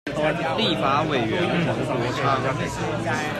立法委員黃國昌